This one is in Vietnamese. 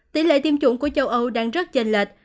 tỷ lệ tiêm chủng của châu âu đang rất chênh lệch